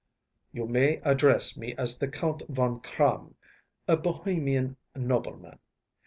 ‚ÄĚ “You may address me as the Count Von Kramm, a Bohemian nobleman.